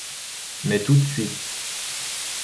Mais tout de suite.